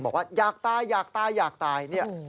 บอกว่าอยากตายที่ตอนนี้